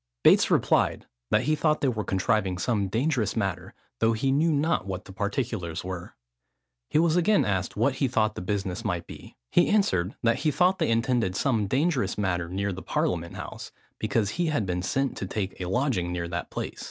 Bates replied, that he thought they were contriving some dangerous matter, though he knew not what the particulars were. He was again asked what he thought the business might be. He answered, that he thought they intended some dangerous matter near the Parliament House, because he had been sent to take a lodging near that place.